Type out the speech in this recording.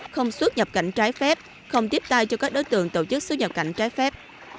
không xuất nhập cảnh trái phép không tiếp tay cho các đối tượng tổ chức xuất nhập cảnh trái phép